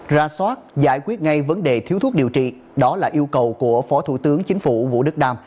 ra soát giải quyết ngay vấn đề thiếu thuốc điều trị đó là yêu cầu của phó thủ tướng chính phủ vũ đức đam